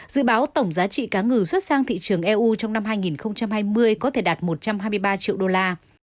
dự báo tổng giá trị cá ngừ xuất sang thị trường eu trong năm hai nghìn hai mươi có thể đạt một trăm hai mươi ba triệu đô la